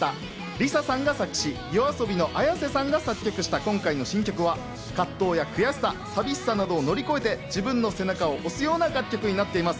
ＬｉＳＡさんが作詞、ＹＯＡＳＯＢＩのＡｙａｓｅさんが作曲した今回の新曲は葛藤や悔しさ、寂しさなどを乗り越えて、自分の背中を押すような楽曲になっています。